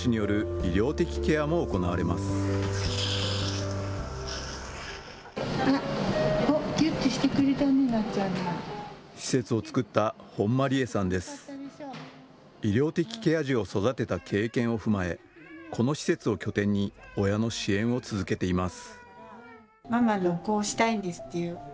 医療的ケア児を育てた経験を踏まえ、この施設を拠点に親の支援を続けています。